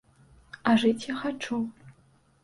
А жыць я хачу.